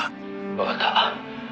「わかった。